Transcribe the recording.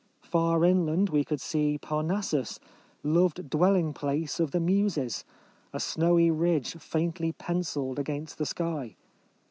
Far inland we could see Parnas sus, loved dwelling place of the Muses, a snowy ridge faintly pen cilled against the sky.